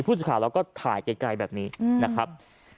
ผู้สื่อข่าวเราก็ถ่ายไกลแบบนี้นะครับ